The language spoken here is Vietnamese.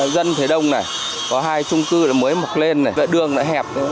dân thế đông có hai trung cư mới mọc lên đường hẹp